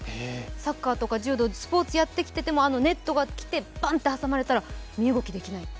サッカーとか柔道、スポーツをやってきててもあのネットがきて、ばんって挟まれたら身動きできない。